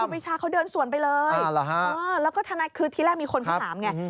ปีชาเขาเดินสวนไปเลยแล้วก็ทนายคือที่แรกมีคนเขาถามไง